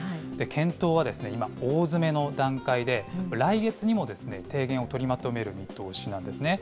検討は今、大詰めの段階で、来月にもですね、提言を取りまとめる見通しなんですね。